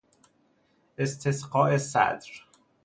استسقاء صدر